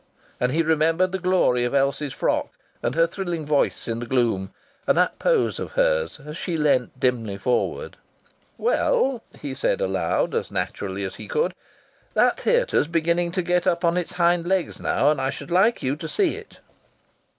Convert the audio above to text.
And he remembered the glory of Elsie's frock, and her thrilling voice in the gloom, and that pose of hers as she leaned dimly forward.) "Well," he said aloud, as naturally as he could, "that theatre's beginning to get up on its hind legs now, and I should like you to see it."